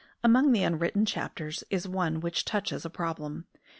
Among the unwritten chapters is one which touches a problem.